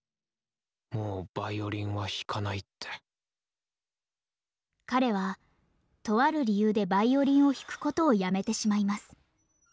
もうヴァイオリンは弾かないって彼はとある理由でヴァイオリンを弾くことをやめてしまいます。